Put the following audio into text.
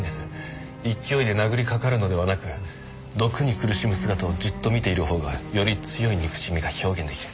勢いで殴りかかるのではなく毒に苦しむ姿をじっと見ている方がより強い憎しみが表現出来る。